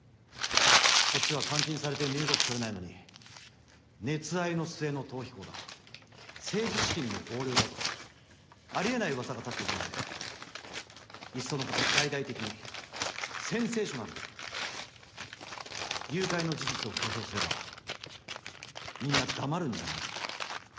こっちは監禁されて身動き取れないのに熱愛の末の逃避行だ政治資金の横領だとあり得ない噂が立っていたのでいっそのこと大々的にセンセーショナルに誘拐の事実を公表すればみんな黙るんじゃないかと。